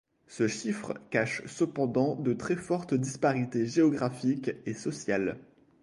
Ce chiffre cache cependant de très fortes disparités géographiques et sociales.